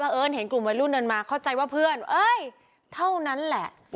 แล้วเกิดเห็นกลุ่มวัดรุ่นนั้นมาเข้าใจว่าเพื่อนเท่านั้นแหละ